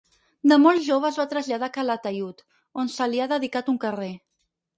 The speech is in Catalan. De molt jove es va traslladar a Calataiud, on se li ha dedicat un carrer.